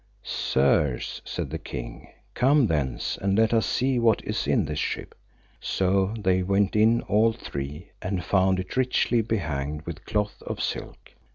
Sirs, said the king, come thence, and let us see what is in this ship. So they went in all three, and found it richly behanged with cloth of silk.